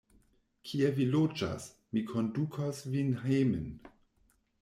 Kie vi loĝas? Mi kondukos vin hejmen.